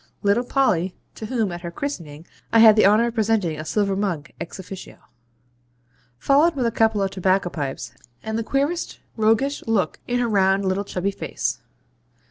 Little Polly (to whom, at her christening, I had the honour of presenting a silver mug EX OFFICIO) followed with a couple of tobacco pipes, and the queerest roguish look in her round little chubby face.